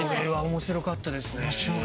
面白かったですね！